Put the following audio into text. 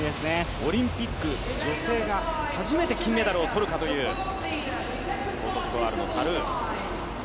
オリンピック、女性が初めて金メダルを取るかというコートジボワールのタ・ルー。